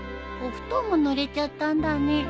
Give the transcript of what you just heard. お布団もぬれちゃったんだね。